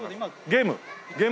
ゲーム？